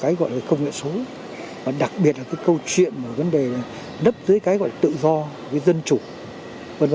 cái gọi là công nghệ số và đặc biệt là cái câu chuyện về vấn đề nấp dưới cái gọi là tự do với dân chủ v v